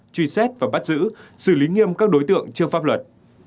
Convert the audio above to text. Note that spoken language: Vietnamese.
truy xét và bắt giữ xử lý nghiêm các đối tượng trước pháp luật